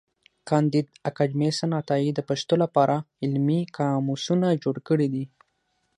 کانديد اکاډميسن عطايي د پښتو له پاره علمي قاموسونه جوړ کړي دي.